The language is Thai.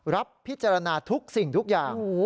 รับพิจารณาทุกสิ่งทุกอย่าง